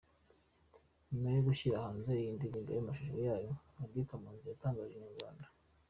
Nyuma yo gushyira hanze iyi ndirimbo n’amashusho yayo, Gaby Kamanzi yatangarije Inyarwanda.